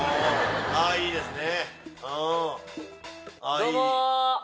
いいですね！